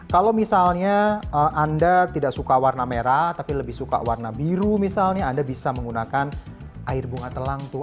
kalau misalnya anda tidak suka warna merah tapi lebih suka warna biru misalnya anda bisa menggunakan air bunga telang tuh